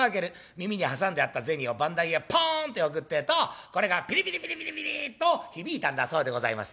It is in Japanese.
耳に挟んであった銭を番台へポンと置くってぇとこれがピリピリピリピリピリっと響いたんだそうでございます。